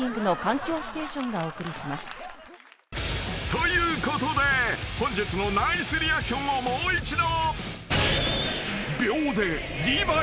［ということで本日のナイスリアクションをもう一度］